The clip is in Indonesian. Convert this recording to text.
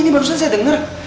ini barusan saya denger